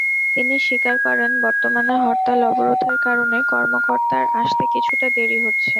তিনি স্বীকার করেন, বর্তমানে হরতাল-অবরোধের কারণে কর্মকর্তার আসতে কিছুটা দেরি হচ্ছে।